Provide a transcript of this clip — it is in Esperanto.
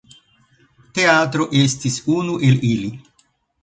Teatro estis unu el ili.